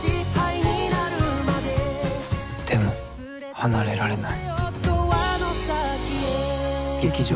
でも離れられない。